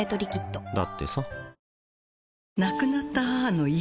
だってさ